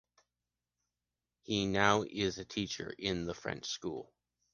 He now is a teacher in the French School.